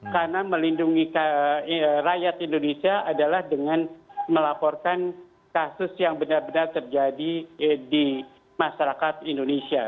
karena melindungi rakyat indonesia adalah dengan melaporkan kasus yang benar benar terjadi di masyarakat indonesia